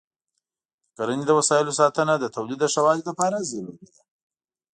د کرنې د وسایلو ساتنه د تولید د ښه والي لپاره ضروري ده.